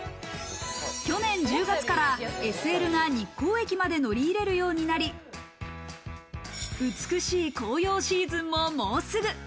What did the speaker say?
去年１０月からＳＬが日光駅まで乗り入れるようになり、美しい紅葉シーズンも、もうすぐ。